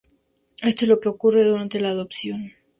Esto es lo que ocurre durante la adopción.